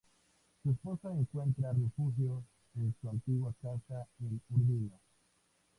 Su esposa encuentra refugio en su antigua casa en Urbino.